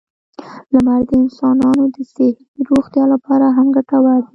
• لمر د انسانانو د ذهني روغتیا لپاره هم ګټور دی.